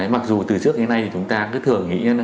mặc dù từ trước đến nay chúng ta cứ thường nghĩ là